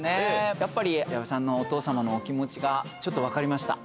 やっぱり矢部さんのお父様のお気持ちがちょっと分かりました。